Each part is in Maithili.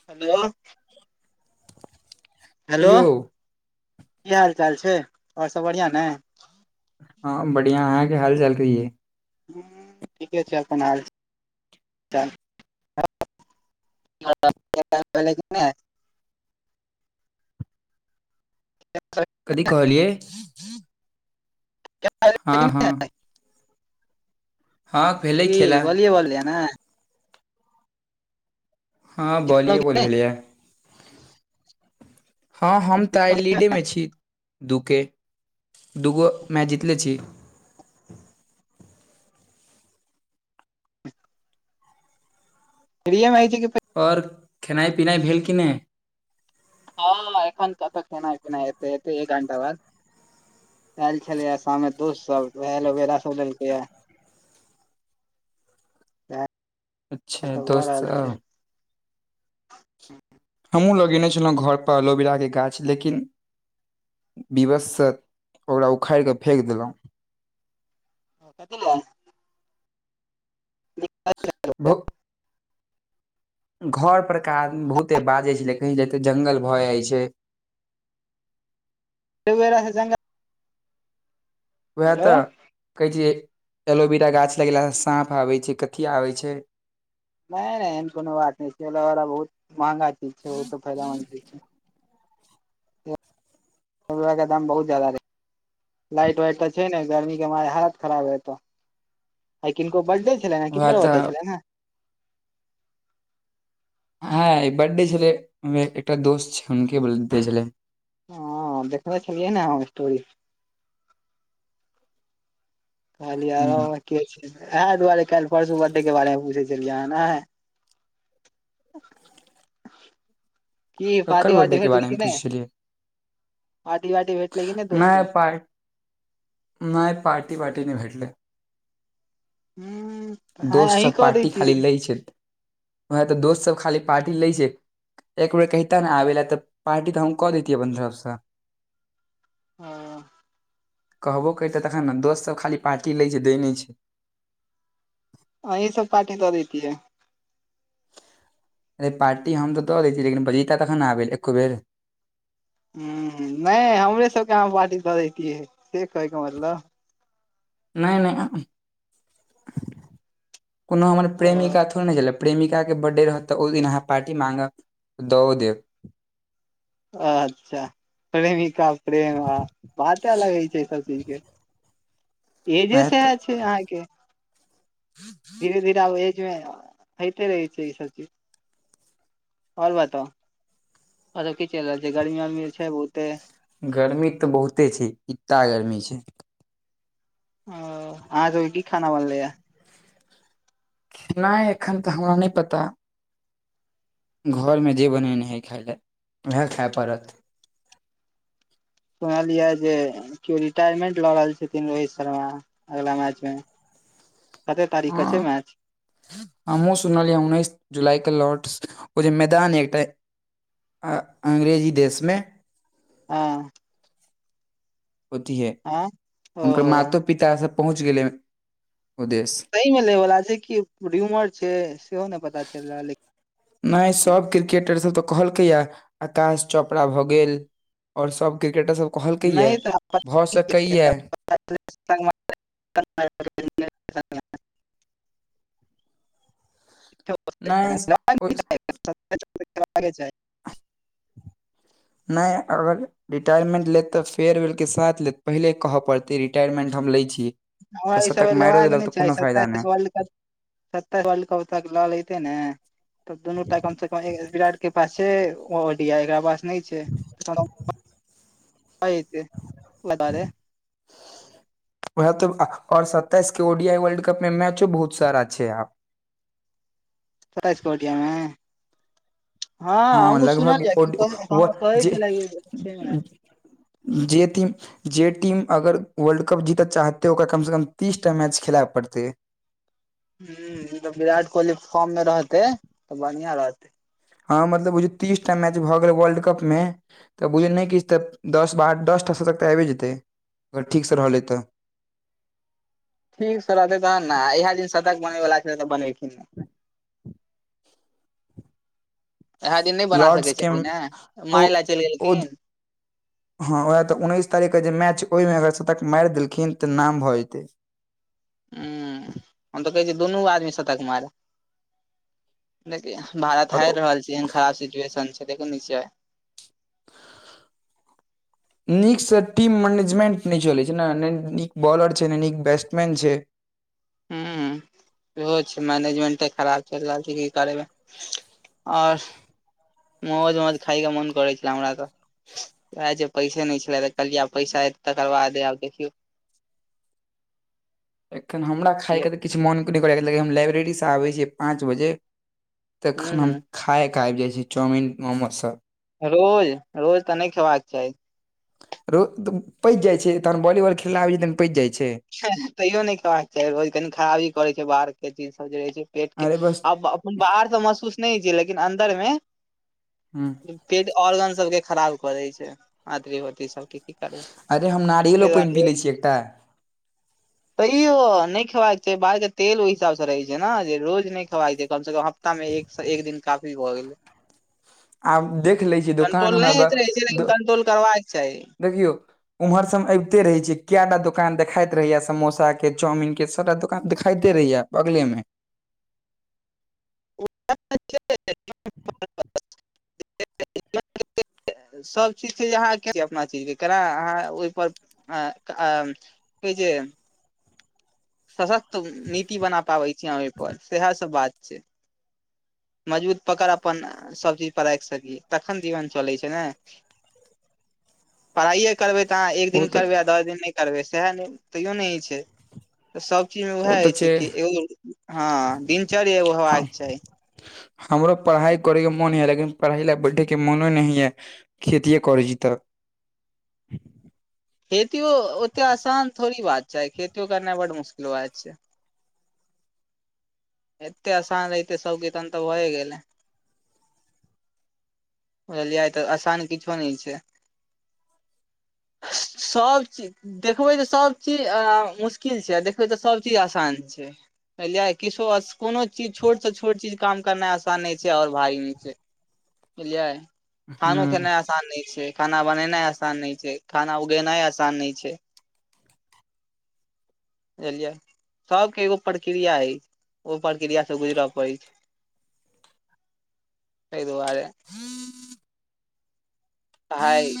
[inaudible] हेलो की यौ की हाल चाल छै आओर सब बढ़िया ने। हँ बढ़िआ अहाँके हल कहिये। हु ठीके छै अपन हाल चाल नहि [unintelligible] कथी कहलियै? हँ [unintelligible] हँ नहि। हँ भेलै की खेला वलिए बॉल छलेया ने। हँ वलीये बॉल भेलैया। हँ हम तऽ आइ लीडेमे छी। दुके दु गो मैच जितले छी। [inaudible] और खेनाइ पिनाइ भेल कि नहि। हँ एखन कतऽ खेनायी पीनायी हेतय हेतय एक घण्टा बाद। आयल छले या शाममे दोस्त सब वेह एलोवेरा सब लेलके या। येहा अच्छा सब भऽ दोस्त रहल छै। साहब, हमहुँ लगेने छलहुँ घर पर अलोवीरा के गाछ लेकिन विवससँ ओकरा उखाड़ि कऽ फेक देलहु। कथीला? [inaudible] भौ घर परका आदमी बहुते बाजे छलै कहय एते जंगल भऽ जाइ छै। एलोवेरा स जंगल वएह हेलो तऽ कहैय छिय एलोविरा गाछ लगेलासँ साँप आबैत छै कथी आबैत छै। नहि नहि एहन कोनो बात नहि छै एलोवेरा बहुत महंगा चीज छै ओ त फायदामन्द चीज छै। ऐलोवेरा के दाम बहुत ज जादा छै। लाइट वाइट तऽ छै ने गर्मी के मारे हालत खराब है त आ किनको बडडे छलैन हैं वएह किनकर बडडे तऽ छलैन हैं। हँ आइ बाडडे छलैया एकटा दोस्त छै हुनके बडडे छलै। हँ देखने छलिये ने हम स्टोरी। कहलियै रौ ह बइह केएह छै, इहा दुआरे काल्हि परसू बडडे के बारे मे पूछे छलियै अहाँ ने। की ककर पार्टी बर्थडे वार्टी होल के छै बारे मे की नई। पूछै छलियै पार्टी वार्टी भेटलै की नहि दोस्त स। नहि पार्टी वार्टी नहि भेटले। उह। दोस्त सब पार्टी खाली लै छै वएह तऽ दोस्त सब खाली पार्टी लै छै। तऽ एक बेेर कहिते ने आबै ले तऽ पार्टी तऽ हम कऽ देैतियै अपन तरफसँ हँ कहबो करतै तखन न दोससब खाली पार्टी लै छै देै नहि छै। अहि सब पार्टी दऽ दैतियै ऐ पार्टी हम तऽ दऽ दैतियै लेकिन बजिता तखन न‌ आबै एको बेर हु नै हमरे सबके अहाँ पार्टी दऽ देतियै से कहै के मतलब नै नै उह कोनो हमर ओ प्रेमिका थोड़े ने छैला प्रेमिकाके बड्डे रहत तऽ ओहि दिन अहाँ पार्टी माँगब तऽ दओ देब अच्छा प्रेमिका प्रेम ह बाते अलग होय छै अए सब चीज के एजे वएह तऽ सेह छैय। अहाँके धीरे-धीरे आब ऐज मे होइते रहै छै ई सब चीज ओर बताउ ओर सब की चलि रहल छै गर्मी-वर्मी छैय बहुते। गर्मी तऽ बहुते छै। इता गर्मी छै। ओऽ अहाँ सब के की खाना बनलै यै। खैनाए एखन तऽ हमरा नहि पता। घरमें जे बनेने होए खाई लै उहे खै पड़त। सुनलियै जे केओ रिटायरमेंट लऽ रहल छथिन रोहित शर्मा अगला मैच में। कतै तारीक कऽ छै मैच। हमहुँ सुनलियै उन्नैस जुलाई के लॉर्डस ओ जें मैदान ये एतय। आऽ अंग्रेजी देश में हँ ओथि हे हँ हुनकर ओहो मातों पितासब पहुँच गेलै ओ देश। सही मे लै बला छै कि भ्युमर छै सेहो नहि पता चलि रहल अई नहि सब क्रिकेटर सब तऽ कहलकै यै। आकाश चोपड़ा भऽ गेल। और सब क्रिकेटर सब कहलकै ये नहि तऽ पता भऽ सकै ये। [inaudible] [inaudible] नहि ओइ- [unintelligible] नै अगर रिटायरमेंट लेत तऽ फेयरवेल के साथ लेत पहिले कहै पड़तै रिटायरमेंट हम लैय छी। हमरा तऽ शतक हिसाबे मारियो लेबाक के देलक नहि तऽ चाही कोनो फायदा नहि सत्ताइसँ वर्ल्ड कप सत्ताइस बालि वर्ल्डकप लऽ लेते नै। तब दुनूटा कम से कम विराट के पास छै, ओ ओडिया एकरा पास नहि छै [unintelligible] [inaudible] ओहे त आ ओर सत्ताइस के ओडियाई वर्ल्ड कप में मैचो बहुत सारा छै आब। सत्ताईस के ओडियाई मे। हँ हमहुँ लगभग सुनलियै ओ वो- कियो कहै छले [unintelligible] जें टीम। जे टीम अगर वर्ल्ड कप जीत चाहतै ओकरा कमसँ कम तीसटा मैच खेलाय पड़तै। हू विराट कोहली फॉर्म मे रहतै तऽ बढ़िया रहतेय। हँ मतलब बुझियो तीस टा मैच भऽ गेलै वर्ल्ड कप मे। त बुझलिये नहि किछ तऽ दस बार दसटा सतक तऽ आइबै जेतै अगर ठीकसँ रहलै तऽ ठीक सँ रहतै तहन न इहे दिन सतक बनैवला छैलै तऽ बनेेलखिन नहि। इएह दिन नहि बना लॉर्डस सकै केँ छलखिन ने ओं मारै लए चलि -ओं। गेलखिन हँ वैह तऽ उन्नैस तारीख केँ जे मैच, ओहिमें अगर शतक मारि देलखिन तऽ नाम भऽ जेतै। हुँ, हम तऽ कहै छिये दुनू आदमी शतक मारै। देखूँ भारत आओर हारि रहल छै एहन खराब सिचुएशन छै, देखै नै छिये। [inaudible] नीक से टीम मैनेजमेंट नहि चलै छै नै, नहि नीक बॉलर छै नहि नीक बैट्समैन छै। हुं। इहो छै मैनेजमेंटे खराब चलि रहल छै की करबै। और मोमोज खायके मन करै छल हमरा तऽ। यैह जें पैसे नहि छलै त कहलियै आब पैसा हेतय तकर बादे आब देखियौ। एखन हमरा की खायके हेत। तऽ किछु मोन नहि करैये हम लाइब्रेरीसँ आबै छियै पाँच बजें। हूँ तखन हम हूँ खाएकें आबि जाइत छी, चाउमिन मोमोज सभ। रोज, रोज तऽ नहि खेबाक चाही। रोज पचि जाइ छै, जखन वॉलीबॉल खेलैक लेल आबै छियै तखन पचि जाइत छै। तैयों नहि खेबाक चाही, रोज खराबी करैत छै, बाहर केँ चीज सब जें रहै छै पेट के अरे बस बा बाहर तऽ महसूस नहि होइत छैय, लेकिन अन्दर में हुं। पेट ऑर्गन सबकें खराब कऽ दै छै, अतरी-भोतरी सबकेँ। क कर अरे हम नारियलो पानि पी लै छियै [unintelligible] एकटा तैयो नहि खेबाक चाही, बाहर के तेल ओहि हिसाब से रहै छै, ने जे रोज नहि खेबाक छै कम से कम सप्ताह मे एक एक दिन काफी भऽ गेलै। आब देख लै छियै दोकान, कंट्रोल नहि हमरा होइत रहै छै लेकिन त कंट्रोल करबाक चाही देखियौ उम्हर से अबिते रहे छियै, कय टा दुकान देखाइत रहैये समोसा के, चाउमीन के, सबटा दुकान देखाइते रहैये। बगलेमे। [unintelligible] [unintelligible] सब चीज छै, जे अहाँ की अपना चीजके केना अहाँ ओहिपर कहै छै जे सशक्त नीति बना पाबै छी अहाँ ओहिपर सएह सब बात छै। मजबूत पकड़ अपन सब चीज पर राखि सकी, तखन जीवन चलै छै ने। [inaudible] पढ़ाइए करबै तऽ अहाँ एक दिन ओ तऽ करबै आ दस दिन नहि करबै सएह नहि तैओ नहि होइ छै। तऽ सब चीज मे वैह ओ तऽ होइ छै कि एगो हँ, दिनचर्या एगो हम हेबाक चाही। हमरो पढ़ाई करै के मोन होइये, लेकिन पढ़ै ले बैठे के मोने नै होइये। खेतीए करै छी तऽ। खेतियो ओते आसान थोड़ी बात छै, खेतियो करनाइ बड मुश्किल बात छै। एते आसान रहितै सबके तखन तऽ भैये गेलै। बुझलियै तऽ आसान किछो नहि छै, सब चीज देखबै तऽ सब चीज मुश्किल छै, देखबै तऽ सब चीज आसान छै। बुझलियै किछो कोनो चीज छोट से छोट चीज काम करनाइ आसान नहि छै, और भारी नै छै। बुझलियै, ह खानो खेनै आसान नहि छै, खाना बनेनाइ आसान नहि छै, खाना उगेनाइ आसान नहि छै। बुझलियै, सबके एगो प्रक्रिया अछि ओ प्रक्रिया से गुजरय पड़ैत छै। तै दुआरे हूँ। [inaudible] पढ़ाइ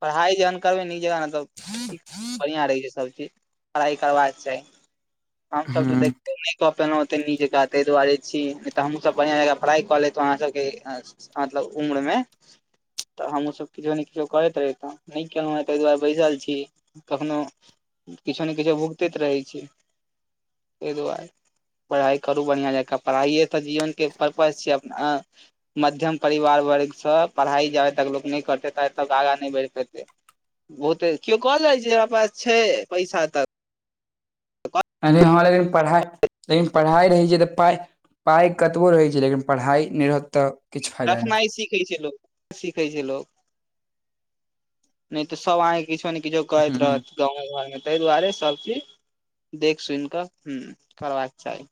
पढ़ाइ जहन करबै ने ई जगह ने तऽ क बढ़िआँ रहै छैय सभचीज पढ़ाइ करबाक चाही हमसब तैय ह देख कऽ पेलहुॅंते नीक जका ताहि दुआरे छी नैय तऽ हमहुँ सब बढ़ियां जका पढ़ाई क लेैतहु अहाँ सबके मतलब उम्र मे तऽ हमहुं सब किछो ने किछो करैत रहि तऽ नैय केलहुँ हे ताहि दुआरे बैसल छी कखनो किछो ने किछो भुगतैत रहैय छी ताहि दुआरे पढ़ाइ करू बढ़िया जका पढ़ाइए तऽ जीवन के परर्पज छैय अपना मध्यम परिवार वर्ग से पढ़ाई जाबे तक लोग नैय करत तक आगा नैय बढ़ पेतै बहुते किओ कहल जे छैय, हमरा पास छैय पैसा तऽ अरे हां रे पढ़ाइ लेकिन पढ़ाइ रहै छैय तऽ पाइ पाइ कतबो रहै छैय, लेकिन पढ़ाइ नैय रहत तऽ किछु फायदा देखनाइ नहि सीखे छैय लोक सिखे छैय लोक नैय तऽ सब अइ किछो नैय किछो करत ह रहत गाँव घरमे ताहि दुआरे सब चीज देख सुन कऽ हूं करबाक चाही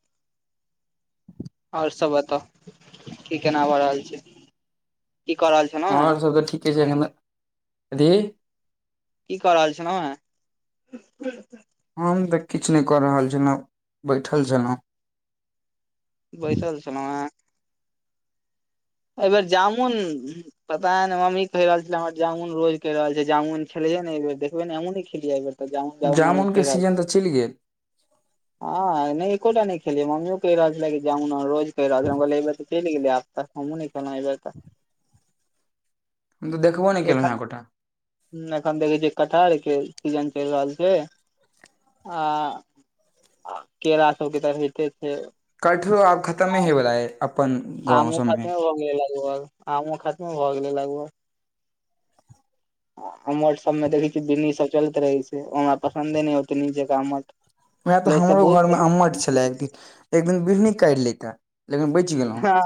और सब बताउ की केना भऽ रहल छैय। की कऽ रहल छैय। हमर सबके तऽ ठीके छैय, एखन दी की कऽ रहल छलेह। हम तऽ किछ नैय कऽ रहल छलहुँ बैठल छलहुँ। बसल छलाह एहिबेर जामुन पता नैय मम्मी कहि रहल छलै, हमर जामुन रोज कहि रहल छैय जामुन खेलैए ने एक बेर देखबै नैय हमहुं नैय खेलियै एहिबेर तऽ जामुन जामुन मम्मी जामुनके कह रहल सीजन तऽ छलै। चलि गेल हां, नैय एकोटा नैय खेलियै मम्मीयौ कहि रहल छलै जामुन रोज कहि रहल छल हम कहलियै एहिबेर चलि गेलै आब त हमहुं नैय खेलहु एहिबार तऽ हम-त देखबो नेैय केलहु हाँ एकोटा नैय अखन देखे छियै कटहर के सीजन चलि रहल छैय। आ केरा सबके तऽ होतै छैय। कठ रहो आब खतममे हए बलाये। आमो खतमे भऽ गेले लगभग, आमो खतमे भऽ गेले लगभग। अमट सबमे देखै छियै, बिढ़नी सब चलैत रहै छैय ओ हमरा पसन्दे नैय अइ ओते नीक जेका अम्मट। वएह तऽ हमरो घर में अम्मट छले एक दिन एक दिन बिढ़नी काटि लैता लेकिन बच हां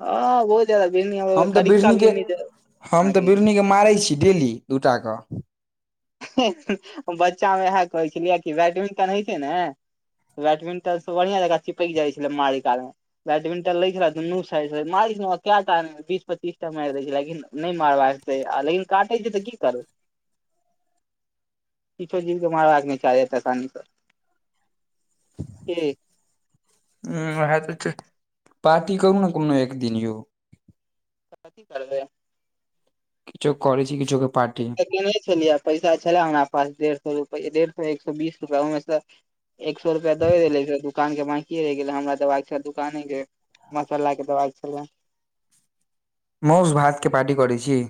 ह बहुत जादा बिढ़नी अबै हइ हम तऽ कड़िका बिढ़नीके बिढ़नि हम आ तऽ गेल छैय। बिढ़नीके मारै छी डेली दूटा कऽ। बच्चामे इएह कहैय छलियै कि बैडमिंटन होइ छैय ने बैडमिंटन से बढ़िया जेका चिपकि जाइ छलै मारिकालमे बैडमिंटन लैय छले दुनू साइडमे मारै छलौ हे कएटा बीस पच्चीस टा मारि दैय छलै लेकिन नैय मारबाक चाही लेकिन काटै छैय तऽ की करबै। किछो जीव के मारबाक नहि चाही एतेक शैतानीसे ठिक हूँ उएह तऽ छैय, पार्टी करू ने कोनो एक दिन यौ कथि करबै। किछो के करैय छी, किछो के ने छलियै पैसा छलै, हमरा पास डेढ़ सए रुप डेढ़ सए एक सए बीस रुपआ ओहिमेसे एक सए रुपआ दबे देले दुकान के बाकी ये रहि गेलै हमरा त दुकाने के मसल्ला के दबाइ छले। मौस भातके पार्टी करैत छी?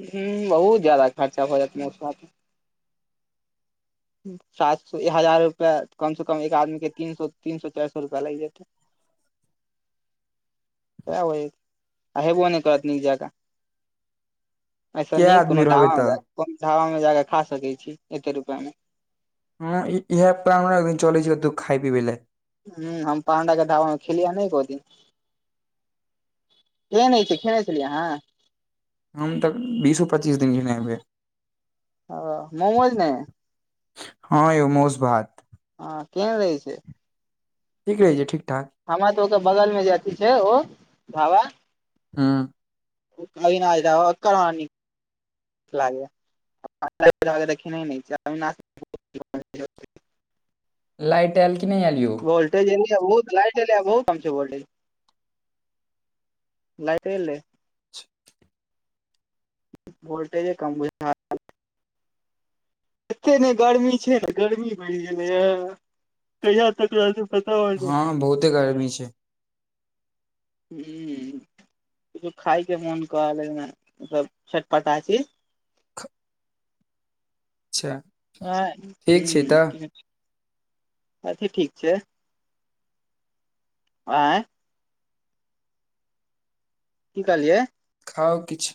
हुं, बहुत ज्यादा खर्चा भ जायत मौस भात मे। सात सए हजार रुपआ कम से कम एक आदमी के तीन सए चारि सए रुपआ लागि जेतै। आ हेबो नै करत निक जेकां। ऐसे कए नीक आदमी कोनो ढाबा रहबै मे तऽ कोनो ढाबा मे जाके खा सकै छी एते रूपया मे। हं इहे प्लान बना एकदिन चलै छी खाय पीबै ले। हुं हम पाण्डा के ढाबा मे खेलियै नै एको दिन। केहेन होइ छै खेने छलियो अहाँ। हम तक बीसो पच्चीस दिन खेने हेबै। हं मोमोज नै। हँ यौ मौस भात। हँ केहन रहै छै। ठीक रहै छै ठीक ठाक। हमरा तऽ ओकर बगल मे जे अथि छै ओ ढाबा हुं। अविनाश ढाबा ओकर हमरा नीक लगैयै [unintelligible] खेने नहि छियै अविनाश लाइट आयल कि नहि आयल यौ। वोल्टेजे एलैए बहुत लाइट एलैए बहुत कम छै वोल्टेज। लाइट एलै। वोल्टेजे कम बुझैये। एते जे गर्मी छै ने गर्मी बढ़ि गेलैये कहिया तक रहतै पता नहि, हँ बहुते गर्मी छै हूँ। कुछो खाय के मोन कऽ रहल अइ हमरा मतलब चटपटा चीज। अच्छा। ह ह ठीक छै तऽ [unintelligible] अथि ठीक छै। आंय। की कहलियै। खाउ किछ।